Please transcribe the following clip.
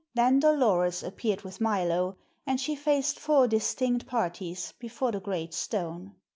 Then Dolores appeared with Milo, and she faced four distinct parties before the great stone.